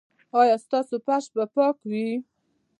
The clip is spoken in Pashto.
ایا ستاسو فرش به پاک وي؟